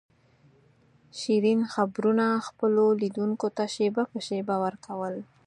شیرین خبرونه خپلو لیدونکو ته شېبه په شېبه ور کول.